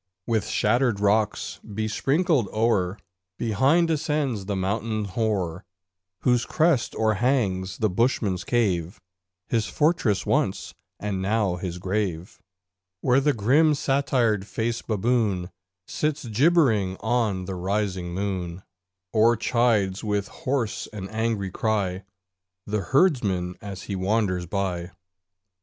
With shattered rocks besprinkled o'er, Behind ascends the mountain hoar, Whose crest o'erhangs the Bushman's cave (His fortress once and now his grave), Where the grim satyr faced baboon Sits gibbering on the rising moon, Or chides with hoarse and angry cry The herdsman as he wanders by.